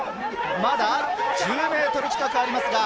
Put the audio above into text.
まだ１０ｍ近くあります。